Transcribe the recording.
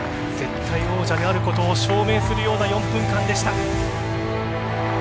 絶対王者であることを証明するような４分間でした。